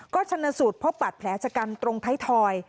ก็ชนสูตรพบบาดแผลชะกันตรงไทยทอย